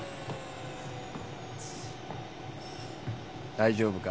大丈夫か？